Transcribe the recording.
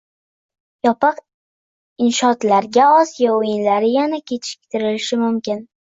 Yopiq inshootlardagi Osiyo o‘yinlari yana kechiktirilishi mumkin